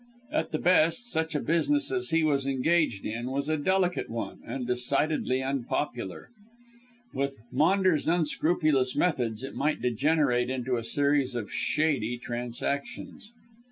At the best, such a business as he was engaged in, was a delicate one and decidedly unpopular. With Maunders' unscrupulous methods it might degenerate into a series of shady transactions.